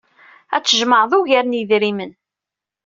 Ad tjemɛed ugar n yedrimen.